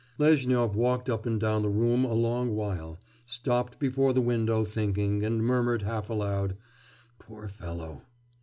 Lezhnyov walked up and down the room a long while, stopped before the window thinking, and murmured half aloud, 'Poor fellow!